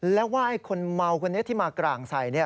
แล้วว่าไอ้คนเมาคนนี้ที่มากร่างใส่